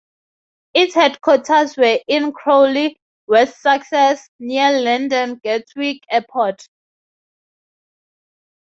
Its headquarters were in Crawley, West Sussex, near London Gatwick Airport.